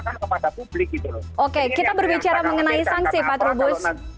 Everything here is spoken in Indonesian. oke kita berbicara mengenai sanksi pak trubus